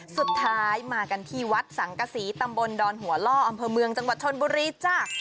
สุดท้ายมากันที่วัดสังกษีตำบลดอนหัวล่ออำเภอเมืองจังหวัดชนบุรีจ้ะ